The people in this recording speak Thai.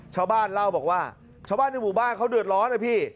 ชาวบ้านเล่าบอกว่าชาวบ้านในหมู่บ้านเขาเดือดร้อนนะพี่